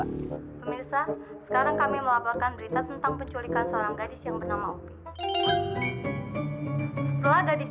pemirsa sekarang kami melaporkan berita tentang penculikan seorang gadis yang bernama opi setelah gadis